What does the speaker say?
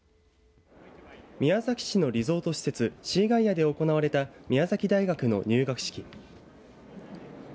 宮崎市のリゾート施設、シーガイアで行われた宮崎大学の入学式。